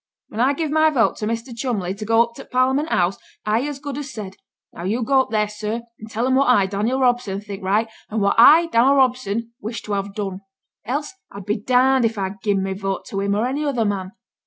When I gived my vote to Measter Cholmley to go up to t' Parliament House, I as good as said, 'Now yo' go up theer, sir, and tell 'em what I, Dannel Robson, think right, and what I, Dannel Robson, wish to have done.' Else I'd be darned if I'd ha' gi'en my vote to him or any other man.